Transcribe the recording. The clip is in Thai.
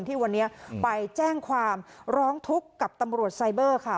ที่วันนี้ไปแจ้งความร้องทุกข์กับตำรวจไซเบอร์ค่ะ